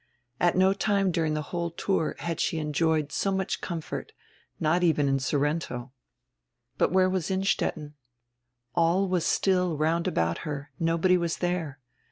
At no time during the whole tour had she enjoyed so much comfort, not even in Sorrento. But where was Innstetten? All was still round about her, nobody was there.